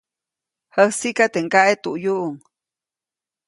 Jäsiʼka, teʼ ŋgaʼe tuʼyuʼuŋ.